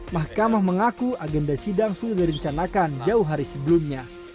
mahkamah mengaku agenda sidang sudah direncanakan jauh hari sebelumnya